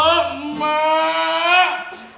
ya allah emak